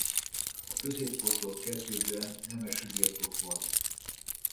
A középkortól kezdődően nemesi birtok volt.